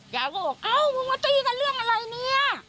เขาบอกเอ้ามึงมาตีกันเรื่องอะไรเนี่ย